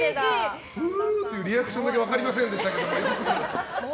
リアクションだけ分かりませんでしたけど。